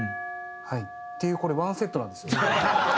「はい」っていうこれワンセットなんですよ。